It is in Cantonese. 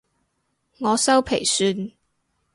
我修皮算